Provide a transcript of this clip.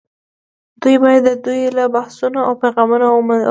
دوی باید د دوی له بحثونو او پیغامونو وپېژندل شي